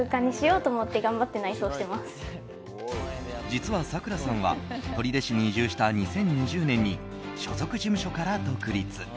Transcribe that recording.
実は、さくらさんは取手市に移住した２０２０年に所属事務所から独立。